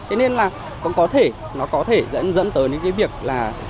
thế nên là cũng có thể nó có thể dẫn tới những cái việc là